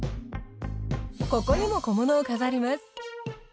ここにも小物を飾ります。